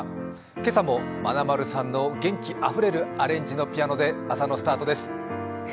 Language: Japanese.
今朝もまなまるさんの元気あふれるアレンジのピアノで朝のスタートです。